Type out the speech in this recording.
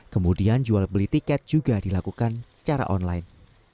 kemudian jual beli tiket juga dilakukan secara online